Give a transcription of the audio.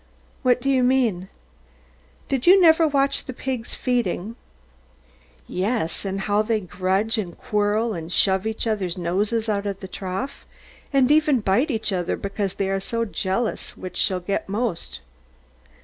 What do you mean? Did you never watch the pigs feeding? Yes, and how they grudge and quarrel, and shove each other's noses out of the trough, and even bite each other because they are so jealous which shall get most.